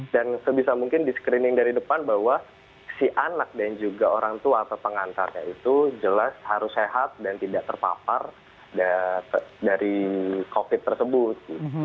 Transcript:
sebisa mungkin di screening dari depan bahwa si anak dan juga orang tua atau pengantarnya itu jelas harus sehat dan tidak terpapar dari covid tersebut